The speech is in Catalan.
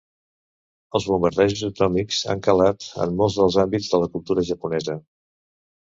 Els bombardejos atòmics han calat en molts dels àmbits de la cultura japonesa.